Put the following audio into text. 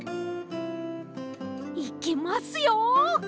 いきますよ！